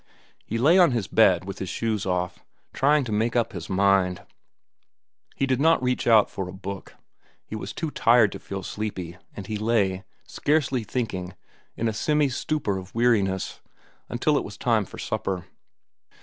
He lay on his bed with his shoes off, trying to make up his mind. He did not reach out for a book. He was too tired to feel sleepy, and he lay, scarcely thinking, in a semi stupor of weariness, until it was time for supper.